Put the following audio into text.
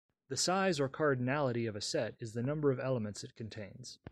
The size or cardinality of a set is the number of elements it contains.